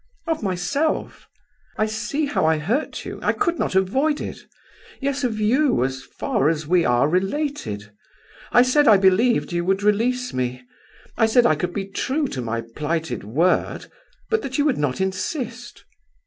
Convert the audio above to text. "Of myself. I see how I hurt you; I could not avoid it. Yes, of you, as far as we are related. I said I believed you would release me. I said I could be true to my plighted word, but that you would not insist.